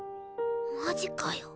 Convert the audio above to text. マジかよ。